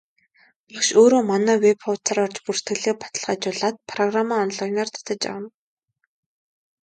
Багш өөрөө манай веб хуудсаар орж бүртгэлээ баталгаажуулаад программаа онлайнаар татаж авна.